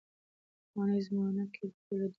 پخوانۍ زمانه کې د لیکلو دود کم و.